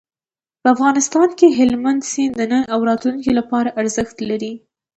په افغانستان کې هلمند سیند د نن او راتلونکي لپاره ارزښت لري.